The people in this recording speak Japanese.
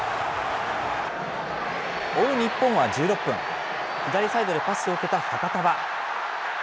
追う日本は１６分、左サイドでパスを受けたファカタヴァ。